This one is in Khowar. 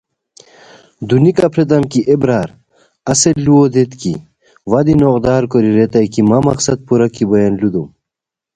دونیکہ پھریتام کی اے برار اصل ُلوؤ دیت کی وا دی نوغدار کوری ریتائے کی مہ مقصد پورا کی بویان لوؤ دوم